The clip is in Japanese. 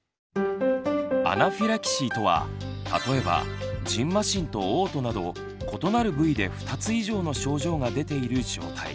アナフィラキシーとは例えばじんましんとおう吐など異なる部位で２つ以上の症状が出ている状態。